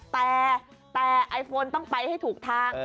แต่ไอโฟนต้องไปให้ถูกทาง